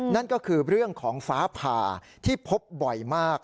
นั่นก็คือเรื่องของฟ้าผ่าที่พบบ่อยมาก